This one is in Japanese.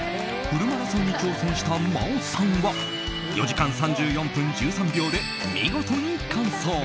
フルマラソンに挑戦した真央さんは４時間３４分１３秒で見事に完走。